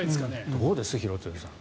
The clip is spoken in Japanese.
どうです、廣津留さん。